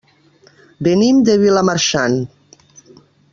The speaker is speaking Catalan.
Venim de Vilamarxant.